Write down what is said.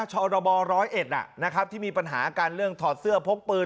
ชรร้อยเอ็ดอ่ะนะครับที่มีปัญหาการเลือกถอดเสื้อพกปืน